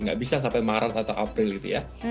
nggak bisa sampai maret atau april gitu ya